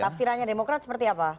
tafsirannya demokrat seperti apa